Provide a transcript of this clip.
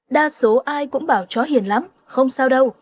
đa số ai cũng bảo cho hiền lắm không sao đâu